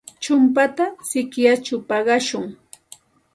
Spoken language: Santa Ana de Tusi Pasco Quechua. Chumpata sikyachaw paqashun.